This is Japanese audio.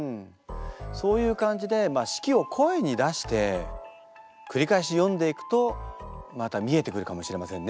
そういう感じで式を声に出して繰り返し読んでいくとまた見えてくるかもしれませんね。